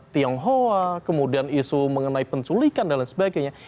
tionghoa kemudian isu mengenai penculikan dan lain sebagainya